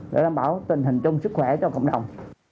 để đảm bảo tình hình chung sức khỏe cho cộng đồng